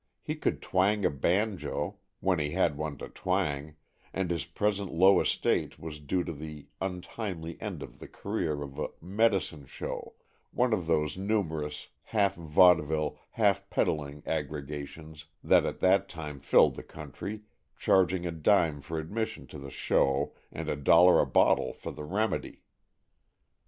He could twang a banjo, when he had one to twang, and his present low estate was due to the untimely end of the career of a "medicine show," one of those numerous half vaudeville, half peddling aggregations that at that time filled the country, charging a dime for admission to the "show" and a dollar a bottle for the "remedy."